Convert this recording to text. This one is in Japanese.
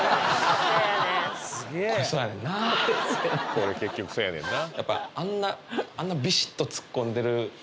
これ結局そやねんな